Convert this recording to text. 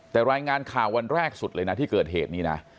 แต่รายงานข่าววันแรกสุดเลยนะที่เกิดเหตุนี้นะ